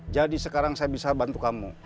jadi sekarang saya bisa bantu kamu